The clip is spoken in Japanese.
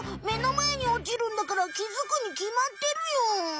目の前に落ちるんだからきづくにきまってるよ。